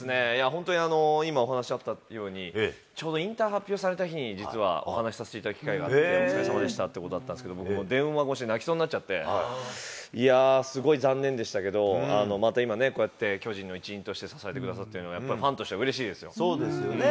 本当に、今、お話あったように、ちょうど引退発表された日に、実はお話させていただく機会があって、お疲れさまでしたということだったんですけれども、僕も電話越しで泣きそうになっちゃって、いやー、すごい残念でしたけど、また今ね、こうやって巨人の一員として支えてくださってるのはファンとしてそうですよね。